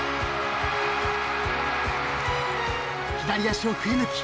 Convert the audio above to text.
［左足を振りぬき